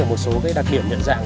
một số đặc điểm nhận dạng